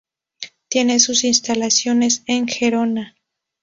Tiene sus instalaciones en Gerona.